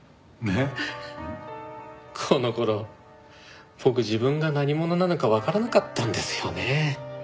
この頃僕自分が何者なのかわからなかったんですよね。